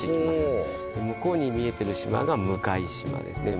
ほお向こうに見えてる島が向島ですね